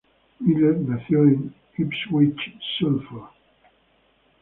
Miller nació en Ipswich, Suffolk.